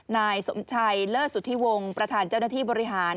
นายสมชัยเลิศสุธิวงศ์ประธานเจ้าหน้าที่บริหาร